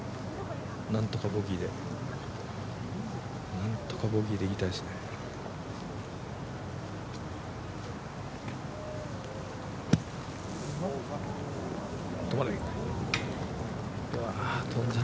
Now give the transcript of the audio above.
なんとかボギーで、なんとかボギーでいきたいですね。